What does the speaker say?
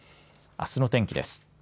あすの天気です。